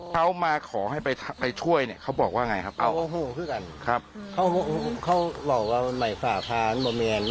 เขามาขอให้ไปช่วยเนี่ยเขาบอกว่าไงครับ